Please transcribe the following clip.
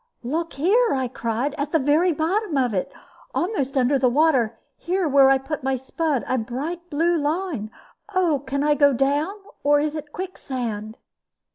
"Look there," I cried, "at the very bottom of it almost under the water. Here, where I put my spud a bright blue line! Oh, can I go down, or is it quicksand?"